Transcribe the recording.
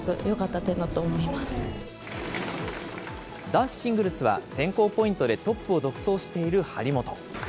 男子シングルスは、選考ポイントでトップを独走している張本。